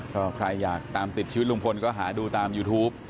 ก็ใครอยากตามติดชีวิตลุงพลก็หาดูตามยูทูป